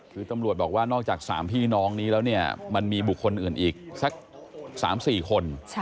คือตำรวจบอกว่านอกจาก๓พี่น้องนี้แล้วเนี่ยมันมีบุคคลอื่นอีกสัก๓๔คน